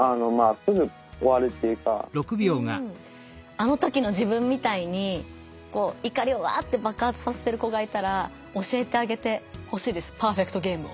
あの時の自分みたいに怒りをワッて爆発させてる子がいたら教えてあげてほしいです「パーフェクトゲーム」を。